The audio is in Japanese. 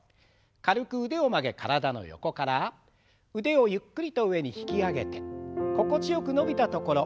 軽く腕を曲げ体の横から腕をゆっくりと上に引き上げて心地よく伸びたところ。